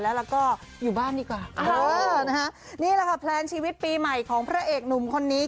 แล้วก็อยู่บ้านดีกว่าเออนะฮะนี่แหละค่ะแพลนชีวิตปีใหม่ของพระเอกหนุ่มคนนี้